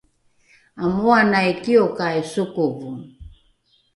amooanai kiokai sokovo